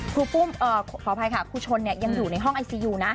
รูปขออภัยค่ะครูชนยังอยู่ในห้องไอซียูนะ